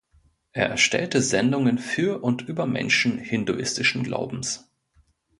Er erstellte Sendungen für und über Menschen hinduistischen Glaubens.